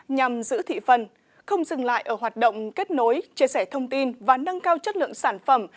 nhằm giữ thị phần không dừng lại ở hoạt động kết nối chia sẻ thông tin và nâng cao chất lượng sản phẩm